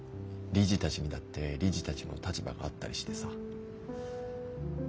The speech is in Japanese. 理事たちにだって理事たちの立場があったりしてさ。